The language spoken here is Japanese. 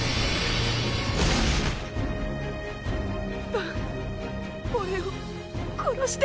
バン俺を殺して。